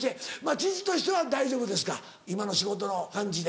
父としては大丈夫ですか今の仕事の感じで。